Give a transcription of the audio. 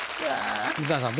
水谷さん